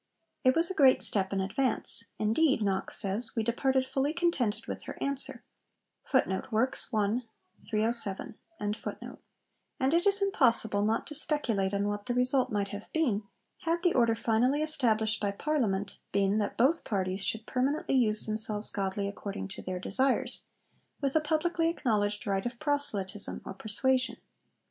It was a great step in advance; indeed, Knox says, 'we departed fully contented with her answer;' and it is impossible not to speculate on what the result might have been had the order finally established by Parliament been that both parties should permanently 'use themselves godly according to their desires,' with a publicly acknowledged right of proselytism or persuasion.